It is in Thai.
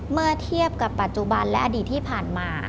เมื่อเทียบกับปัจจุบันและอดีตที่ผ่านมา